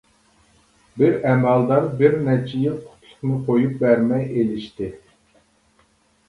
بىر ئەمەلدار بىر نەچچە يىل قۇتلۇقنى قويۇپ بەرمەي ئېلىشتى.